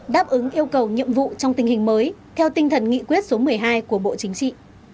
đáp ứng yêu cầu nhiệm vụ trong tình hình mới theo tinh thần nghị quyết số một mươi hai của bộ chính trị